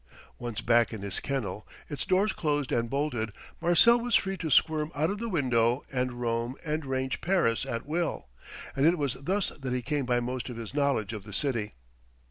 Once back in his kennel, its door closed and bolted, Marcel was free to squirm out of the window and roam and range Paris at will. And it was thus that he came by most of his knowledge of the city.